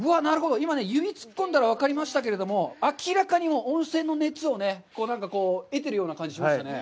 今、指を突っ込んだら分かりましたけど、明らかに温泉の熱をね、得てるような感じがしますよね。